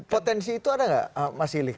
potensi itu ada gak mas ilih